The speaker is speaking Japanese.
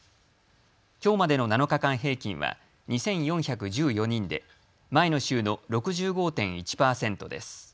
きょうまでの７日間平均は２４１４人で前の週の６５．１％です。